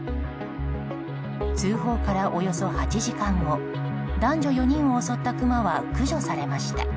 通報からおよそ８時間後男女４人を襲ったクマは駆除されました。